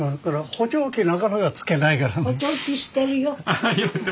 補聴器してるよ。